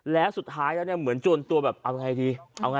และสุดท้ายเรามันเหมือนรวมจะเอาไงดี